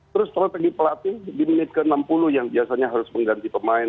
terus strategi pelatih di menit ke enam puluh yang biasanya harus mengganti pemain